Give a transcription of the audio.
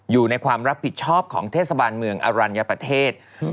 อยู่ในความรับผิดชอบของเทศบาลเมืองอรัญญประเทศ